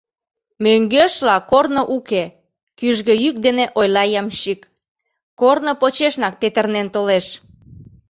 — Мӧҥгешла корно уке, — кӱжгӧ йӱк дене ойла ямщик, — корно почешнак петырнен толеш.